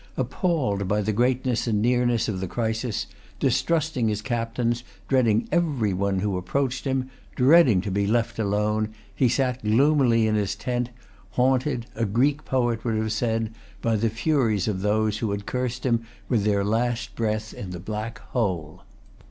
Appalled by the greatness and nearness of the crisis, distrusting his captains, dreading every one who approached him, dreading to be left alone, he sat gloomily in his tent, haunted, a Greek poet would have said, by the furies of those who had cursed him with their last breath in the Black Hole.